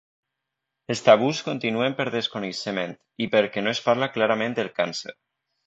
Els tabús continuen per desconeixement i perquè no es parla clarament del càncer.